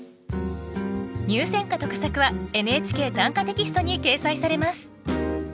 入選歌と佳作は「ＮＨＫ短歌テキスト」に掲載されます